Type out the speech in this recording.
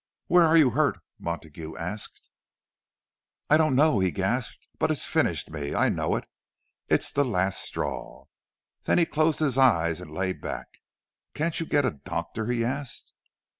"Where are you hurt?" Montague asked. "I don't know," he gasped. "But it's finished me! I know it—it's the last straw." Then he closed his eyes and lay back. "Can't you get a doctor?" he asked.